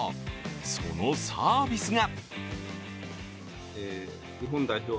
そのサービスが。